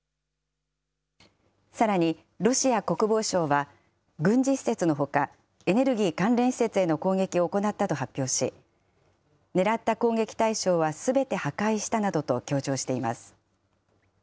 さらに、ロシア国防省は軍事施設のほか、エネルギー関連施設への攻撃を行ったと発表し、狙った攻撃対象はすべて破壊したなどと強調しています。